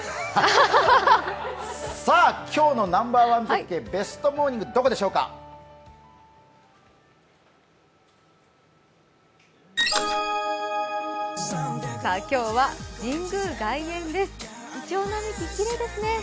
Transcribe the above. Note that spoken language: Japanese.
「今日のＮｏ．１絶景」ベストモーニング、どこでしょうか今日は神宮外苑です、いちょう並木、きれいですね。